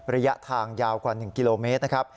ระยะทางยาวกว่า๑กิโลเมตรนะครับ